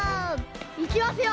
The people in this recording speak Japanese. いきますよ！